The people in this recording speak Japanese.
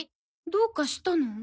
どうかしたの？